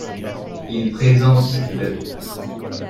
Il présente l'.